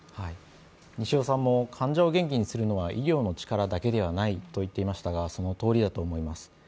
西尾さんも患者を元気にするのは医療の力だけではないと言っていましたがそのとおりだと思います。